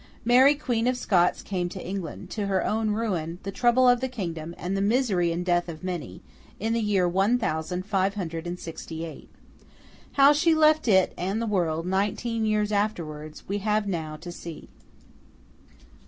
Mary Queen of Scots came to England—to her own ruin, the trouble of the kingdom, and the misery and death of many—in the year one thousand five hundred and sixty eight. How she left it and the world, nineteen years afterwards, we have now to see.